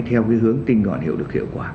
theo cái hướng tinh gọn hiệu lực hiệu quả